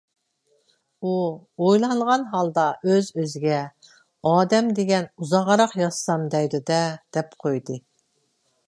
ئۇ ئويلانغان ھالدا ئۆز-ئۆزىگە: «ئادەم دېگەن ئۇزاقراق ياشىسام دەيدۇ-دە» دەپ قويدى.